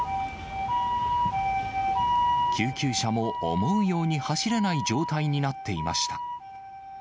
救急車も思うように走れない状態になっていました。